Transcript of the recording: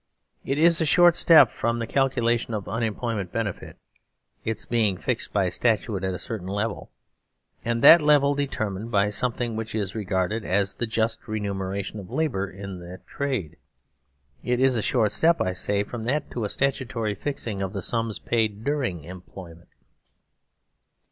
It is a short step from the calculation of unemploy ment benefit (its being fixed by statute at a certain level, and that level determined by something which is regarded as the just remuneration of labour in that trade); it is a short step, I say, from that to a statutory fixing of the sums paid during employment.